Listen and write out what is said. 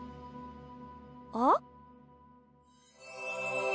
あっ？